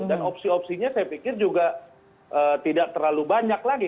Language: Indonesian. dan opsi opsinya saya pikir juga tidak terlalu banyak lagi